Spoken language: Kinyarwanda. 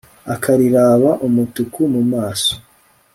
akariraba umutuku mu maso